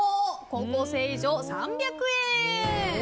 高校生以上３００円。